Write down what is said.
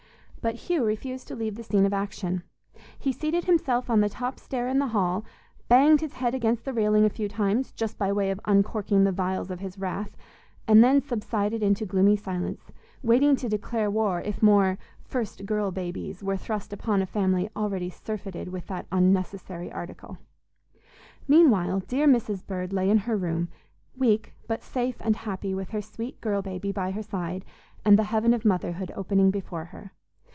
But Hugh refused to leave the scene of action. He seated himself on the top stair in the hall, banged his head against the railing a few times, just by way of uncorking the vials of his wrath, and then subsided into gloomy silence, waiting to declare war if more "first girl babies" were thrust upon a family already surfeited with that unnecessary article. Meanwhile dear Mrs. Bird lay in her room, weak, but safe and happy with her sweet girl baby by her side and the heaven of motherhood opening before her.